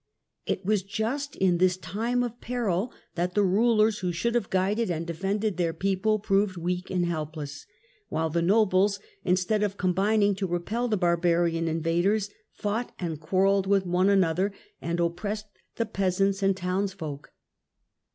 It was just in this time of peril that the rulers who should have guided and defended their people proved weak and helpless, while the nobles, instead of combining to repel the barbarous invaders, fought and quarrelled with one another, and oppressed the peasants and townsfolk.